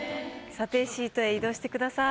査定シートへ移動してください。